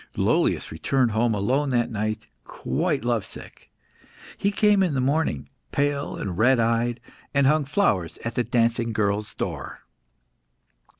Lollius returned home alone that night, quite love sick. He came in the morning, pale and red eyed, and hung flowers at the dancing girl's door.